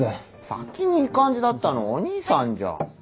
先にいい感じだったのお義兄さんじゃん。